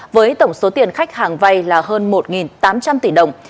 với tổng số tiền khách hàng vay là hơn một tám trăm linh tỷ đồng